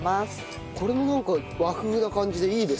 これもなんか和風な感じでいいですね。